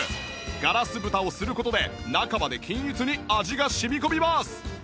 ガラス蓋をする事で中まで均一に味が染み込みます